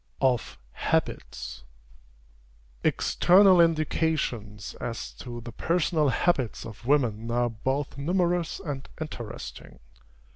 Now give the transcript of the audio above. OF HABITS. External indications as to the personal habits of women are both numerous and interesting.